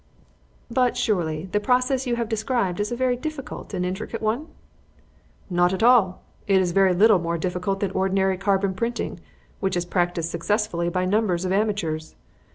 "But surely the process you have described is a very difficult and intricate one?" "Not at all; it is very little more difficult than ordinary carbon printing, which is practised successfully by numbers of amateurs.